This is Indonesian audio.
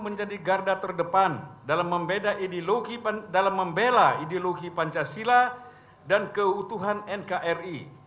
menjadi garda terdepan dalam membela ideologi pancasila dan keutuhan nkri